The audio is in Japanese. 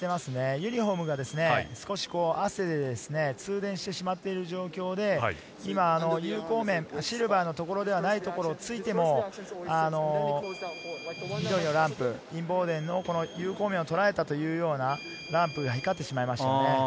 ユニホームが少し汗で通電してしまっている状況で今、有効面シルバーのところではないところを突いても緑のランプ、インボーデンの有効面をとらえたというような、ランプが光ってしまいましたね。